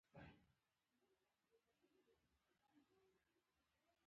خو فوق العاده شرایط تر قانون پورته عمل نه شي کولای.